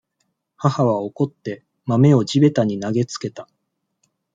母は、怒って、豆を地べたに投げつけた。